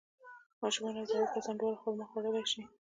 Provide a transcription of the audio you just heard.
ماشومان او زاړه کسان دواړه خرما خوړلی شي.